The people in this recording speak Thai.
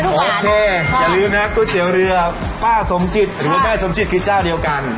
โอเคอย่าลืมนะก๋วยเตี๋ยวเรือป้าสมจิตหรือว่าแม่สมจิตคือเจ้าเดียวกัน